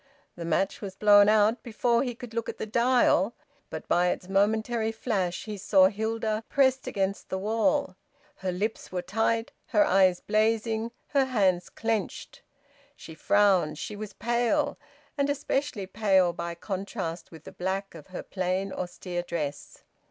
The match was blown out before he could look at the dial, but by its momentary flash he saw Hilda, pressed against the wall. Her lips were tight, her eyes blazing, her hands clenched. She frowned; she was pale, and especially pale by contrast with the black of her plain austere dress.